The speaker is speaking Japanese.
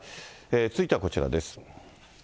続いてはこちらです。